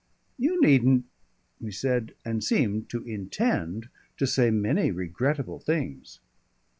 "You needn't," he said, and seemed to intend to say many regrettable things.